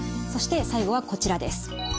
そして最後はこちらです。